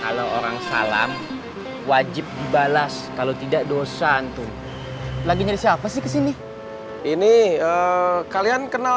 kalau orang salam wajib dibalas kalau tidak dosa lagi nyari siapa sih kesini ini kalian kenal